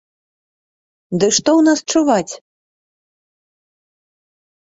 Ды што ў нас чуваць?